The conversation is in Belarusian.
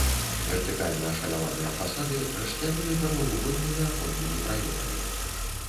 Вертыкальна ашаляваныя фасады расчлянёны прамавугольнымі аконнымі праёмамі.